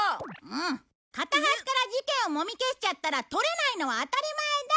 片端から事件をもみ消しちゃったら撮れないのは当たり前だ！